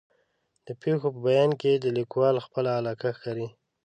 د پېښو په بیان کې د لیکوال خپله علاقه ښکاري.